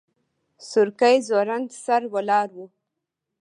سورکی ځوړند سر ولاړ و.